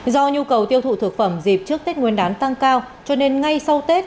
do nhu cầu tiêu thụ thực phẩm dịp trước tết nguyên đán tăng cao cho nên ngay sau tết